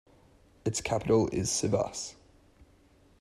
Its capital is Sivas.